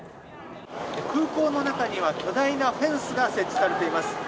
空港の中には巨大なフェンスが設置されています。